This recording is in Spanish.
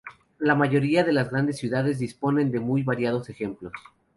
La mayoría de las grandes ciudades disponen de muy variados ejemplos.